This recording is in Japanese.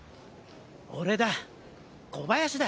俺だ小林だ。